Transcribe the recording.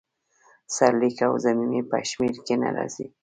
سرلیک او ضمیمې په شمیر کې نه راځي.